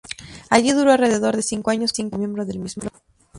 Allí duró alrededor de cinco años como miembro del mismo.